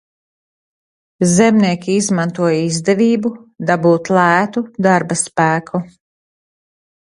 Zemnieki izmantoja izdevību dabūt lētu darbaspēku.